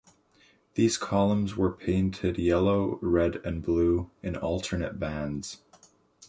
These columns were painted yellow, red and blue in alternate bands.